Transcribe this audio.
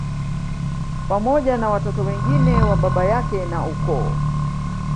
Pamoja na watoto wengine wa baba yake na ukoo